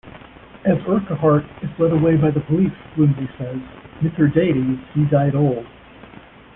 As Urquhart is led away by the police, Wimsey says, Mithridates, he died old.